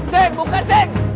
cek buka cek